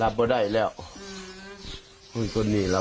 สัตว์ที่นี่ถูกต้องเข้ามา